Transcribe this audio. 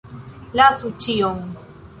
Lasu ĉion!